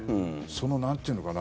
その、なんていうのかな